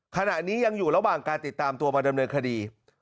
ขณะนี้ยังอยู่ระหว่างการติดตามตัวมาดำเนินคดี